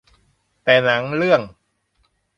แต่หนังเรื่อง